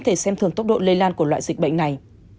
để xem thường tốc độ lây lan của loại dịch bệnh này